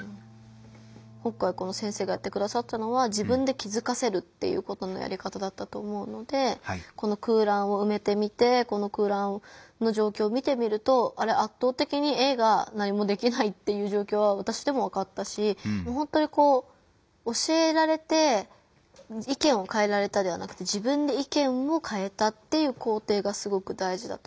今回この先生がやってくださったのは自分で気づかせるっていうことのやり方だったと思うのでこの空欄をうめてみてこの空欄の状況を見てみると圧倒的にＡが何もできないっていう状況は私でもわかったしほんとにこう教えられて意見を変えられたではなくて自分で意見を変えたっていう工程がすごくだいじだと。